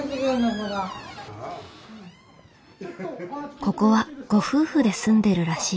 ここはご夫婦で住んでるらしい。